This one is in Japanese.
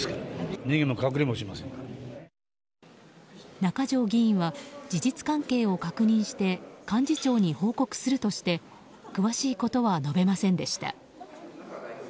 中条議員は事実関係を確認して幹事長に報告するとして詳しいことは述べませんでした。